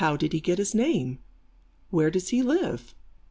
How did he get his name? Where does he live?